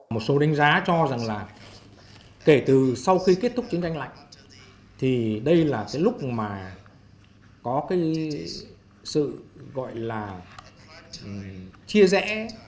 một số đánh giá cho rằng là kể từ sau khi kết thúc chiến tranh lạnh thì đây là cái lúc mà có cái sự gọi là chia rẽ